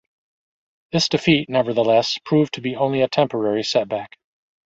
This defeat, nevertheless, proved to be only a temporary setback.